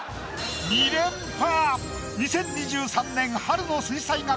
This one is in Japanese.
２連覇！